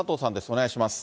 お願いします。